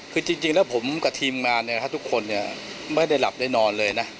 คือจริงจริงแล้วผมกับทีมงานเนี่ยครับทุกคนเนี่ยไม่ได้หลับได้นอนเลยนะ